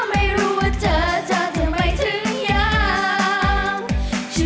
ไม่รู้ว่าเจอเธอทำไมถึงอยาก